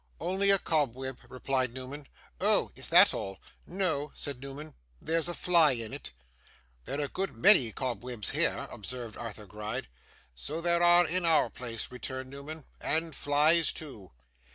'Only a cobweb,' replied Newman. 'Oh! is that all?' 'No,' said Newman. 'There's a fly in it.' 'There are a good many cobwebs here,' observed Arthur Gride. 'So there are in our place,' returned Newman; 'and flies too.